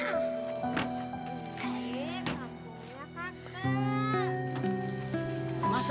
aduh gak boleh kakak